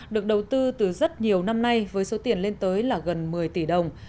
được đầu tư từ rất nhiều năm nay với số tiền lên tới là gần một mươi tỷ đồng